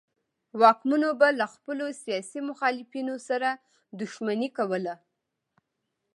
واکمنو به له خپلو سیاسي مخالفینو سره دښمني کوله.